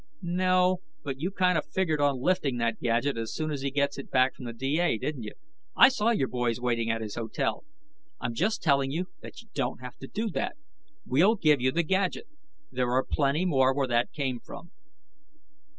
"No. But you kind of figured on lifting that gadget as soon as he gets it back from the D.A., didn't you? I saw your boys waiting at his hotel. I'm just telling you that you don't have to do that. We'll give you the gadget. There are plenty more where that came from."